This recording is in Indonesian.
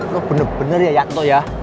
lo bener bener ya yakno ya